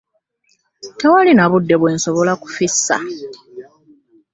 Tewali na budde bwe nsobola kufissa.